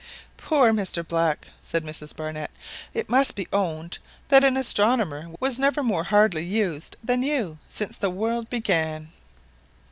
"Poor Mr Black," said Mrs Barnett, "it must be owned that an astronomer was never more hardly used than you since the world began!"